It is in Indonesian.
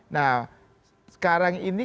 nah sekarang ini